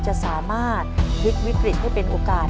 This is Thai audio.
จะสามารถพลิกวิกฤตให้เป็นโอกาส